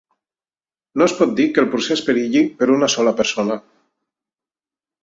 No es pot dir que el procés perilli per una sola persona.